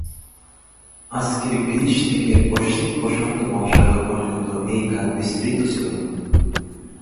আজকের গ্রিস থেকে পশ্চিম প্রশান্ত মহাসাগর পর্যন্ত এই খাত বিস্তৃত ছিল।